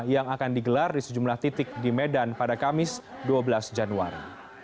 yang akan digelar di sejumlah titik di medan pada kamis dua belas januari